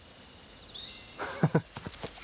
ハハハ。